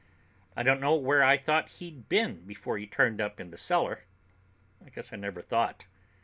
I don't know where I thought he'd been before he turned up in the cellar. I guess I never thought.